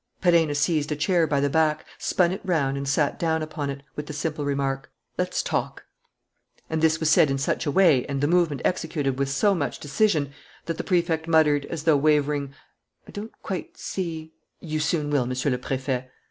Perenna seized a chair by the back, spun it round and sat down upon it, with the simple remark: "Let's talk!" And this was said in such a way and the movement executed with so much decision that the Prefect muttered, as though wavering: "I don't quite see " "You soon will, Monsieur le Préfet."